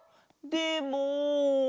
でも。